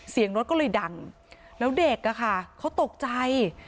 เสียงรถก็เลยดังแล้วเด็กอะค่ะเขาตกใจ